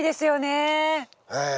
ええ。